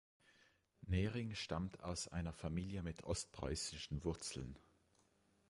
Nehring stammt aus einer Familie mit ostpreußischen Wurzeln.